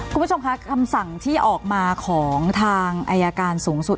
คุณผู้ชมคะคำสั่งที่ออกมาของทางอายการสูงสุด